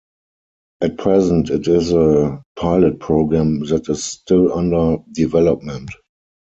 At present it is a pilot program that is still under development.